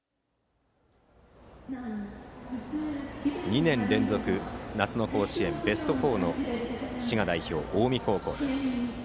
２年連続夏の甲子園ベスト４の滋賀代表、近江高校です。